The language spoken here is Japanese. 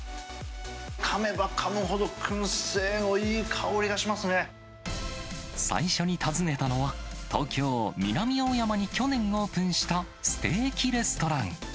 かめばかむほど、くん製のい最初に訪ねたのは、東京・南青山に去年オープンしたステーキレストラン。